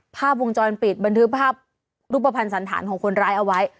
ภาพวงจรปิดบันทึกภาพรูปภัณฑ์สันธารของคนร้ายเอาไว้